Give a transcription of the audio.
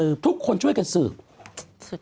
ขึ้นรถตูปตั้งแต่เมื่อคืนแล้วนครสวรรค์